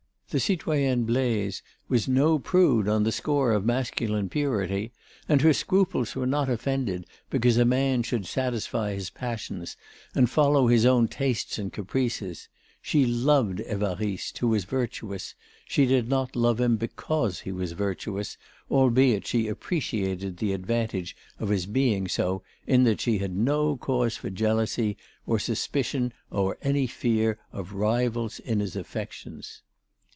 The citoyenne Blaise was no prude on the score of masculine purity and her scruples were not offended because a man should satisfy his passions and follow his own tastes and caprices; she loved Évariste, who was virtuous; she did not love him because he was virtuous, albeit she appreciated the advantage of his being so in that she had no cause for jealousy or suspicion or any fear of rivals in his affections.